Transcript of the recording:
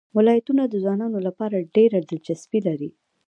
ولایتونه د ځوانانو لپاره ډېره دلچسپي لري.